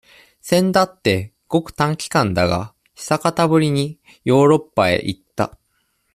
先だって、ごく短期間だが、久方ぶりに、ヨーロッパへ行った。